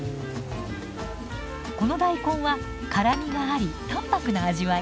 この大根は辛みがあり淡白な味わい。